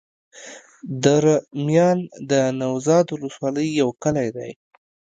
دره میان د نوزاد ولسوالي يو کلی دی.